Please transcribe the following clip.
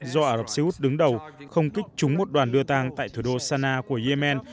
do ả rập xê út đứng đầu không kích trúng một đoàn đưa tăng tại thủ đô sana của yemen